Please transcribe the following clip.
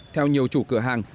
theo nhiều chủ cửa hàng